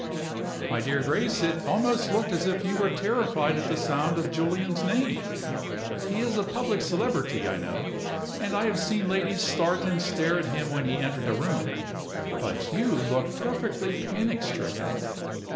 "My dear Grace, it almost looked as if you were terrified at the sound of Julian's name! He is a public celebrity, I know; and I have seen ladies start and stare at him when he entered a room. But you looked perfectly panic stricken."